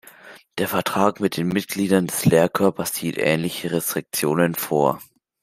Der Vertrag mit den Mitgliedern des Lehrkörpers sieht ähnliche Restriktionen vor.